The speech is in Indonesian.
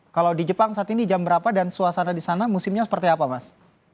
kalau di jepang saat ini jam berapa dan suasana di sana musimnya seperti apa mas